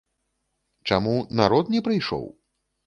Чаму народ не прыйшоў?